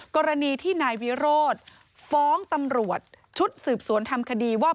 กรณีที่นายวิโรธฟ้องตำรวจชุดสืบสวนทำคดีว่า